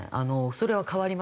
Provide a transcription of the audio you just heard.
それは変わりました。